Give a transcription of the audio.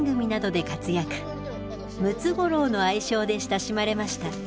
ムツゴロウの愛称で親しまれました。